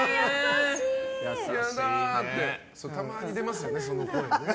たまに出ますよね、その声。